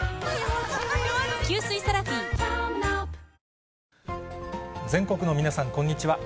これ、全国の皆さんこんにちは。